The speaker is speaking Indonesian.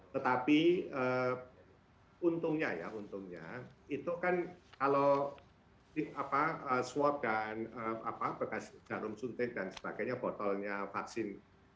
tetapi untungnya ya untungnya itu kan kalau swab dan bekas jarum suntik dan sebagainya botolnya vaksin